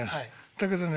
だけどね